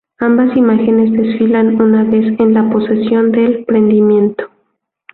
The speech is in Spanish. Ambas imágenes desfilan una vez, en la procesión del Prendimiento.